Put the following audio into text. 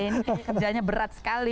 ini kerjanya berat sekali